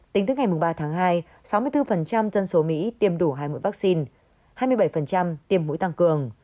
tính tới ngày ba tháng hai sáu mươi bốn dân số mỹ tiêm đủ hai mũi vaccine hai mươi bảy tiêm mũi tăng cường